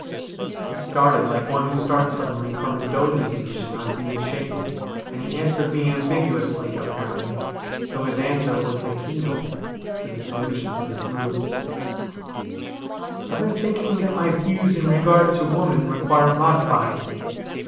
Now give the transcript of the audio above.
He started like one who starts suddenly from a dozing condition on being shaken, and he answered me ambiguously, apparently, though his answer was the key note to the solution of his mood :' I've been thinking that my views in regard to woman require modifying.'